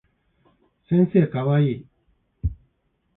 先生かわいい